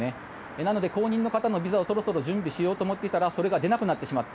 なので、後任の方のビザをそろそろ準備しようと思っていたらそれが出なくなってしまった。